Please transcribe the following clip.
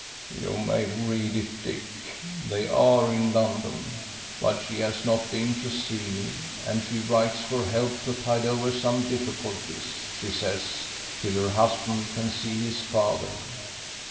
"You may read it, Dick. They are in London, but she has not been to see me, and she writes for help to tide over some difficulties, she says, till her husband can see his father.